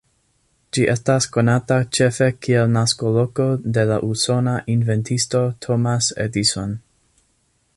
Ĝi estas konata ĉefe kiel naskoloko de la usona inventisto Thomas Edison.